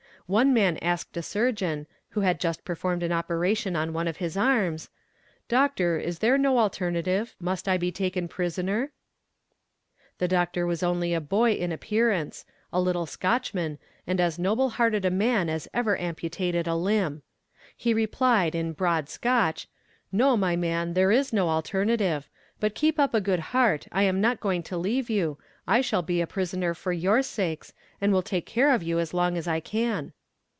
One man asked a surgeon, who had just performed an operation on one of his arms, "Doctor, is there no alternative must I be taken prisoner?" The doctor was only a boy in appearance, a little Scotchman, and as noble hearted a man as ever amputated a limb. He replied, in broad Scotch, "No, my man, there is no alternative; but keep up a good heart, I am not going to leave you, I shall be a prisoner for your sakes, and will take care of you as long as I can."